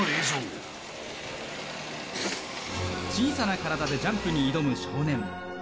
小さな体でジャンプに挑む少年。